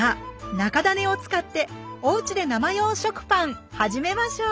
中種を使っておうちで生用食パン始めましょう！